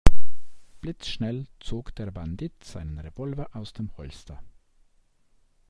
Blitzschnell zog der Bandit seinen Revolver aus dem Holster.